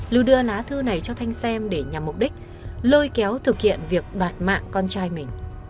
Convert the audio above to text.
lưu đưa lá thư này cho thanh xem để nhằm mục đích lôi kéo thực hiện việc đoạt mạng con trai mình